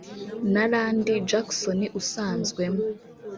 na Randy Jackson usanzwemo